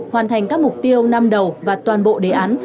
hoàn thành các mục tiêu năm đầu và toàn bộ đề án